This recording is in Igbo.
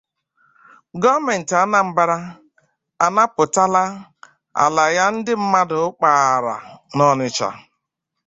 Gọọmenti Anambra Anapụtala Ala Ya Ndị Mmadụ Kpààrà n'Ọnịshà